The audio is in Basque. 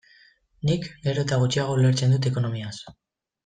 Nik gero eta gutxiago ulertzen dut ekonomiaz.